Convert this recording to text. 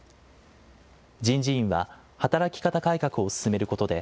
人事院は働き方改革を進めることで、